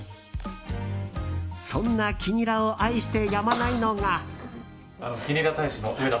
そんな黄ニラを愛してやまないのが。